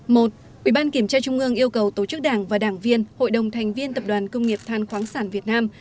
một ubnd yêu cầu tổ chức đảng và đảng viên hội đồng thành viên tập đoàn công nghiệp than khoáng sản việt nam